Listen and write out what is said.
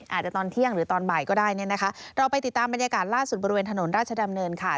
อาจจะตอนเที่ยงหรือตอนบ่ายก็ได้เนี่ยนะคะเราไปติดตามบรรยากาศล่าสุดบริเวณถนนราชดำเนินค่ะ